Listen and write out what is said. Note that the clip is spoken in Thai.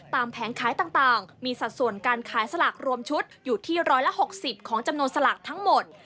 แผงขายต่างมีสัดส่วนการขายสลากรวมชุดอยู่ที่๑๖๐ของจำนวนสลากทั้งหมด